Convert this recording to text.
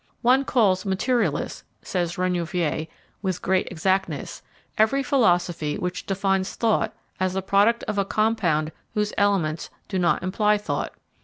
"One calls materialist," says Renouvier, with great exactness, "every philosophy which defines thought as the product of a compound whose elements do not imply thought."